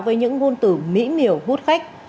với những ngôn từ mỹ miều hút khách